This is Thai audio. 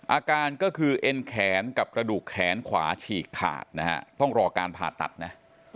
อาการก็คือเอ็นแขนกับกระดูกแขนขวาฉีกขาดนะฮะต้องรอการผ่าตัดนะ